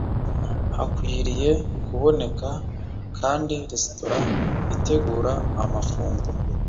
Hakwiriye kuboneka kandi resitora itegura amafunguro